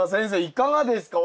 いかがですか？